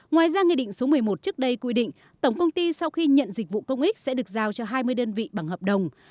ngoài ra nghị định số một mươi một trước đây quy định tổng công ty sau khi nhận dịch vụ công ích sẽ được giao cho hai mươi đơn vị bằng hợp đồng